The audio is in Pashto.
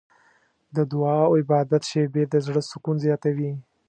د دعا او عبادت شېبې د زړه سکون زیاتوي.